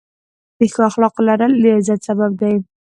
د ښو اخلاقو لرل، د عزت سبب دی.